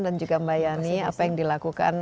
dan juga mbak yani apa yang dilakukan